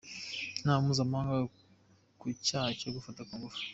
Inama mpuzamahanga ku cyaha cyo gufata ku ngufu